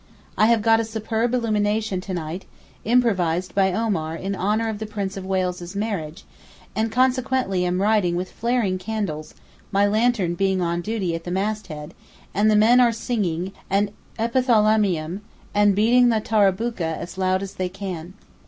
I have got a superb illumination to night, improvised by Omar in honour of the Prince of Wales's marriage, and consequently am writing with flaring candles, my lantern being on duty at the masthead, and the men are singing an epithalamium and beating the tarabookeh as loud as they can.